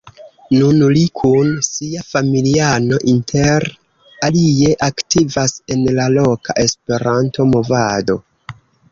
Nun li kun sia familiano inter alie aktivas en la loka Esperanto-movado.